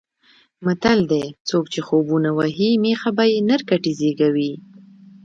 متل دی: څوک چې خوبونه وهي مېښه به یې نر کټي زېږوي.